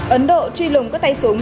ấn độ truy lùng các tay súng